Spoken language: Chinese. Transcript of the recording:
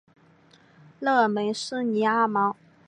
勒梅斯尼阿芒。